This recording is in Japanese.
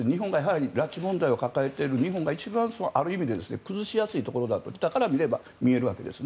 拉致問題を抱えている日本がある意味一番崩しやすいところだと彼らから見れば見えるわけです。